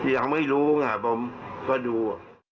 ยังไม่รู้ไงผมก็ดู